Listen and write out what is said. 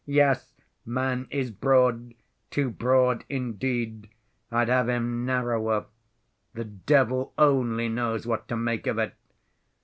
Yes, man is broad, too broad, indeed. I'd have him narrower. The devil only knows what to make of it!